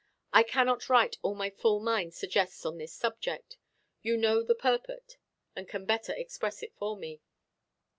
I cannot write all my full mind suggests on this subject. You know the purport, and can better express it for me.